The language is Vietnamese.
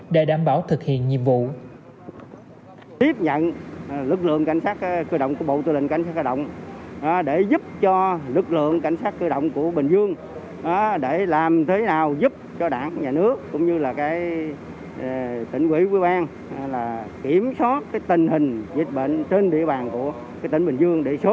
để đảm bảo thực hiện nhiệm vụ